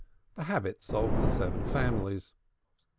THE HABITS OF THE SEVEN FAMILIES.